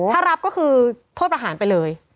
ถ้ารับก็คือโทษประหารไปเลย